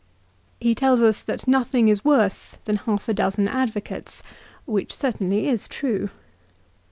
He tells us that nothing is worse than half a dozen ad vocates, which certainly is true.